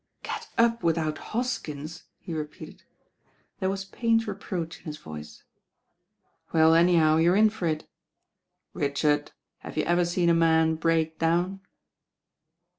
"Get up without Hoskins I" he re peated. There was pained reproach in his voice. "Well, anyhow, you're in for it." "Richard, have you ever seen a man break down?"